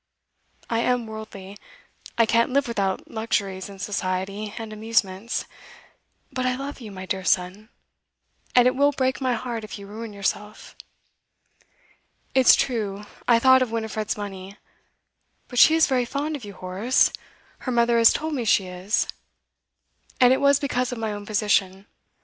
I am worldly; I can't live without luxuries and society and amusements; but I love you, my dear son, and it will break my heart if you ruin yourself. It's true I thought of Winifred's money, but she is very fond of you, Horace; her mother has told me she is. And it was because of my own position.